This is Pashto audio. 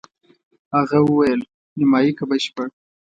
هغه وویل: نیمایي که بشپړ؟